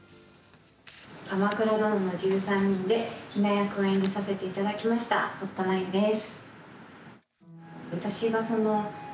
「鎌倉殿の１３人」で比奈役を演じさせていただきました堀田真由です。